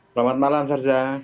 selamat malam sarja